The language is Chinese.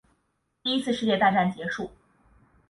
第一次世界大战结束